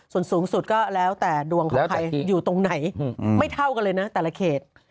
ส่วนสูงสุดก็แล้วแต่ดวงของใครอยู่ตรงไหนไม่เท่ากันเลยนะแต่ละเขต